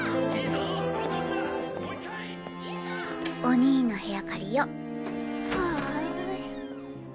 お兄の部屋借りよう。